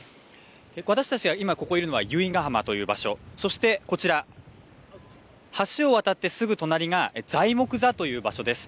私たちは今、ここにいるのは由比ガ浜という場所、そしてこちら、橋を渡ってすぐ隣が材木座という場所です。